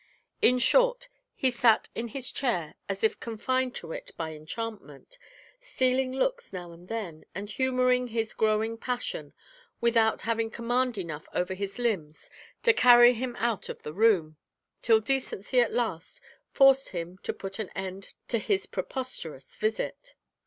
In short, he sat in his chair as if confined to it by enchantment, stealing looks now and then, and humouring his growing passion, without having command enough over his limbs to carry him out of the room, till decency at last forced him to put an end to his preposterous visit.